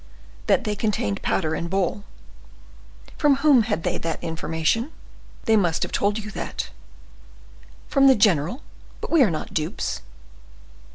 "That they contained powder and ball." "From whom had they that information? They must have told you that." "From the general; but we are not dupes."